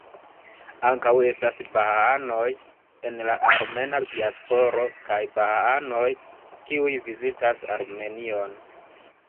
Ankaŭ estas bahaanoj en la armena diasporo kaj bahaanoj kiuj vizitas Armenion.